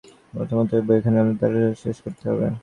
প্রথমত ঐ বইখানি আমাদের তাড়াতাড়ি শেষ করতে হবে।